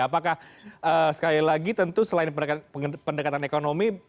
apakah sekali lagi tentu selain pendekatan ekonomi